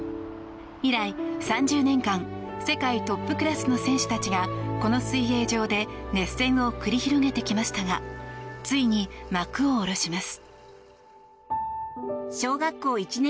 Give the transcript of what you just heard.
以来３０年間世界トップクラスの選手たちがこの水泳場で熱戦を繰り広げてきましたがついに幕を下ろします。